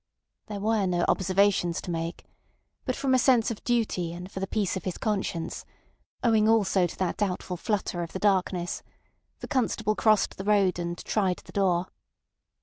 There were no observations to make; but from a sense of duty and for the peace of his conscience, owing also to that doubtful flutter of the darkness, the constable crossed the road, and tried the door.